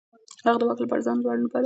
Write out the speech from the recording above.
هغه د واک لپاره ځان لوړ نه باله.